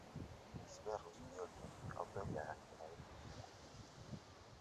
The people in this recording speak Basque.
Ezbehar guzti horiek auto-ilarak eragin dituzte.